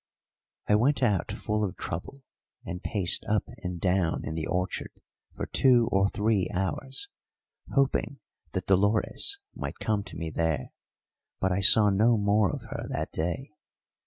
I went out full of trouble and paced up and down in the orchard for two or three hours, hoping that Dolores might come to me there, but I saw no more of her that day.